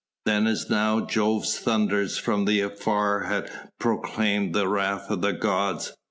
Then as now Jove's thunders from afar had proclaimed the wrath of the gods.